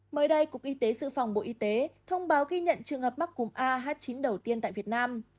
mới đây cục y tế sự phòng bộ y tế thông báo ghi nhận trường hợp mắc cùm a h chín đầu tiên tại việt nam